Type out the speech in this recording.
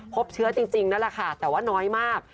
พบเชื้อจริงนั่นแหละค่ะแต่ว่าน้อยมาก